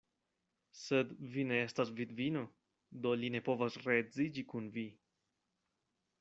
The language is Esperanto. Sed vi ne estas vidvino; do li ne povas reedziĝi kun vi.